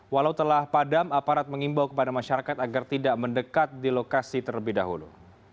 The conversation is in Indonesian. walau telah padam aparat mengimbau kepada masyarakat agar tidak mendekat di lokasi terlebih dahulu